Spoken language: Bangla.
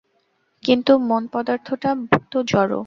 কিন্তু মন পদার্থটা তো জড়।